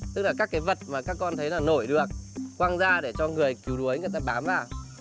tức là các cái vật mà các con thấy là nổi được quăng ra để cho người cứu đuối người ta bám vào